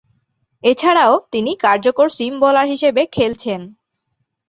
এছাড়াও, তিনি কার্যকর সিম বোলার হিসেবে খেলছেন।